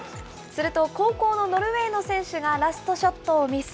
すると後攻のノルウェーの選手がラストショットをミス。